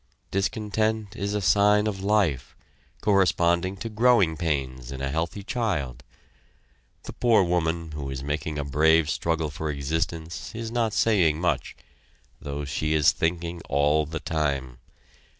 Discontent is a sign of life, corresponding to growing pains in a healthy child. The poor woman who is making a brave struggle for existence is not saying much, though she is thinking all the time.